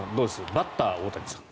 バッター・大谷さん。